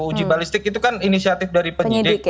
uji balistik itu kan inisiatif dari penyidik